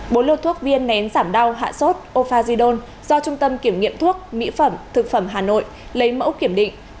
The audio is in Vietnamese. bốn lô thuốc viên nén giảm đau hạ sốt ofajidon do trung tâm kiểm nghiệm thuốc mỹ phẩm thực phẩm hà nội lấy mẫu kiểm định